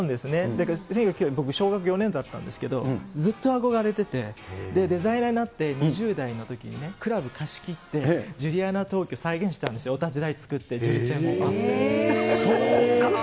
だけど僕小学４年だったんですけど、ずっと憧れてて、デザイナーになって２０代のときにね、クラブ貸し切ってジュリアナ東京、再現したんですよ、お立ち台作って、そうか。